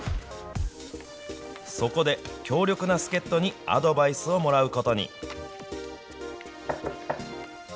そこで強力な助っとにアドバイスをもらうことに。